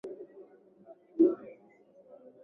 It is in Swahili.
Pia yupo Elyaz Zidane Fernandez aliyezaliwa tarehe